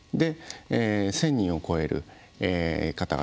１０００人を超える方々